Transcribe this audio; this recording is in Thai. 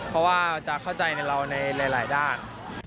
เพราะว่าจะเข้าใจในเราในหลายด้าน